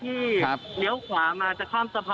เหลือเพียงกลุ่มเจ้าหน้าที่ตอนนี้ได้ทำการแตกกลุ่มออกมาแล้วนะครับ